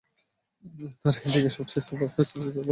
অনেকে এটিকে সবচেয়ে সেরা সুপারহিরো চলচ্চিত্র বলেও আখ্যায়িত করেন।